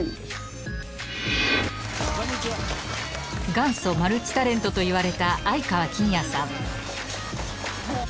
元祖マルチタレントといわれた愛川欽也さん。